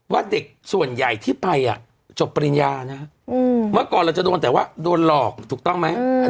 ว่าเด็กส่วนใหญ่ที่ไปจบปริญญานะเมื่อก่อนเราจะโดนแต่ว่าโดนหลอกถูกต้องไหม